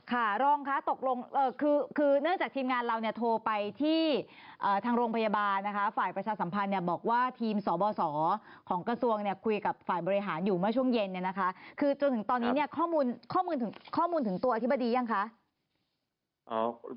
รองคะตกลงคือเนื่องจากทีมงานเราเนี่ยโทรไปที่ทางโรงพยาบาลนะคะฝ่ายประชาสัมพันธ์เนี่ยบอกว่าทีมสบสของกระทรวงเนี่ยคุยกับฝ่ายบริหารอยู่เมื่อช่วงเย็นเนี่ยนะคะคือจนถึงตอนนี้เนี่ยข้อมูลข้อมูลถึงตัวอธิบดียังคะ